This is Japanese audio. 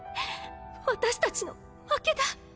私たちの負けだ。